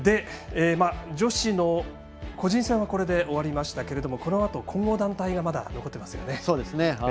女子の個人戦はこれで終わりましたけどこのあと混合団体がまだ残っていますよね。